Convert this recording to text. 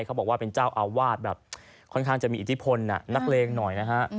เขาบอกว่าเป็นเจ้าอาวาสแบบค่อนข้างจะมีอิทธิพลนักเลงหน่อยนะฮะ